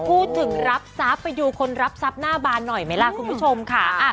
พูดถึงรับทรัพย์ไปดูคนรับทรัพย์หน้าบานหน่อยไหมล่ะคุณผู้ชมค่ะ